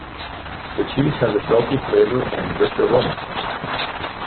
The cheese has a salty flavour and rich aroma.